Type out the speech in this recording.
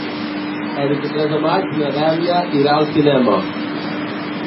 El vint-i-tres de maig na Dèlia irà al cinema.